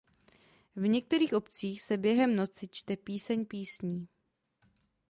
V některých obcích se během noci čte Píseň písní.